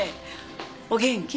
お元気？